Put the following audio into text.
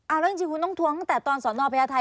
เอาแล้วจริงคุณต้องทวงตั้งแต่ตอนสอนอพญาไทย